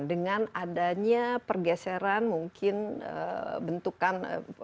dengan adanya pergeseran mungkin bentukan